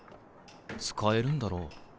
使えるんだろう。